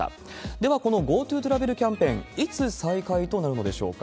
では、このＧｏＴｏトラベルキャンペーン、いつ再開となるのでしょうか。